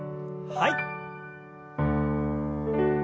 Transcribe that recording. はい。